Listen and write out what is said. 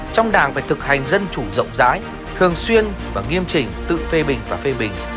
trong đảng phải thực hành dân chủ rộng rãi thường xuyên và nghiêm trình tự phê bình và phê bình